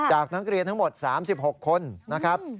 จากนักเรียนทั้งหมด๓๖คนนะครับ